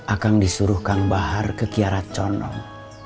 akan disuruh kang bahar ke kiara conong